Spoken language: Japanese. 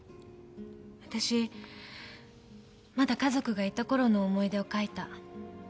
あたしまだ家族がいたころの思い出を書いた。